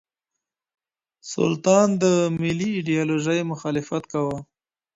سلطان د ملي ايډيالوژۍ مخالفت کاوه.